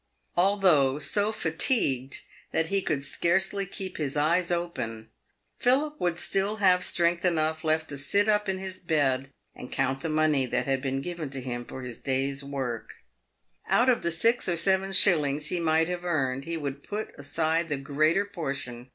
Although so fatigued that he could scarcely keep his eyes open, Philip would still have strength enough left to sit up in his bed, and count the money that had been given to him for his day's work. 198 PAYED WITH GOLD. Out of the six or seven shillings he might have earned he would put aside the greater portion.